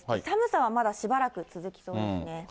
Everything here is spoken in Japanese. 寒さはまだしばらく続きそうですね。